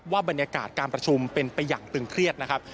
บรรยากาศการประชุมเป็นไปอย่างตึงเครียดนะครับ